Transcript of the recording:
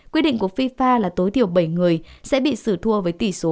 quyết định của fifa là tối thiểu bảy người sẽ bị xử thua với tỷ số ba